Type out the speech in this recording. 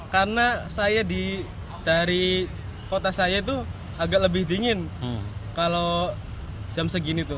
karena saya dari kota saya itu agak lebih dingin kalau jam segini